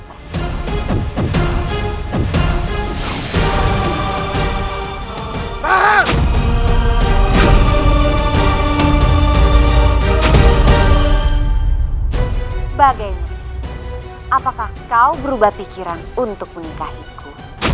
apakah kau berubah pikiran untuk menikahiku